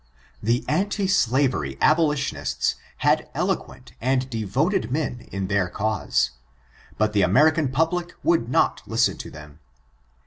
The anti slavery abolitionists had eloquent and devoted men in their cause, but the American public would not listen to them.